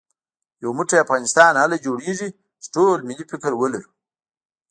يو موټی افغانستان هله جوړېږي چې ټول ملي فکر ولرو